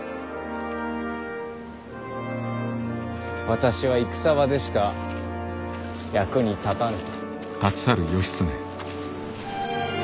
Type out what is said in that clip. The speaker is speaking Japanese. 私は戦場でしか役に立たぬ。